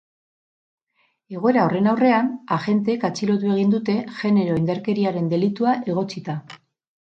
Egoera horren aurrean, agenteek atxilotu egin dute, genero indarkeriaren delitua egotzita.